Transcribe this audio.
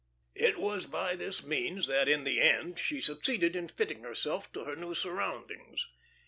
It was by this means that, in the end, she succeeded in fitting herself to her new surroundings.